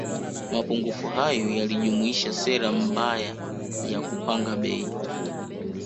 Mapungufu hayo yalijumuisha sera mbaya ya kupanga bei